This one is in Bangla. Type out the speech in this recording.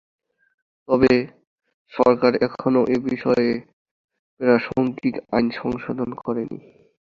তবে, সরকার এখনও এবিষয়ে প্রাসঙ্গিক আইন সংশোধন করেনি।